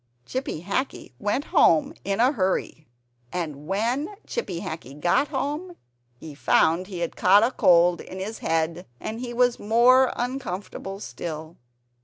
Chippy Hackee went home in a hurry! And when Chippy Hackee got home, he found he had caught a cold in his head; and he was more uncomfortable still.